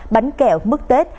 bánh kẹo mức tết